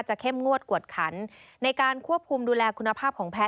เข้มงวดกวดขันในการควบคุมดูแลคุณภาพของแพท